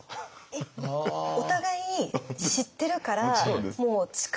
えっお互い知ってるからもう力。